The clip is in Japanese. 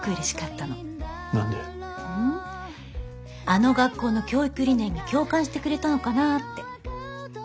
あの学校の教育理念に共感してくれたのかなって。